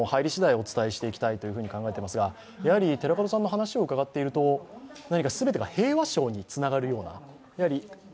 お伝えしていきたいと考えていますが寺門さんの話を伺っていくと、すべてが平和賞につながるような。